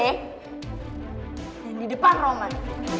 dan di depan roman